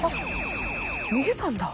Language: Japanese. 逃げたんだ。